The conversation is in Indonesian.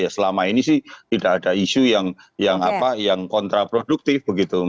selama ini tidak ada isu yang kontraproduktif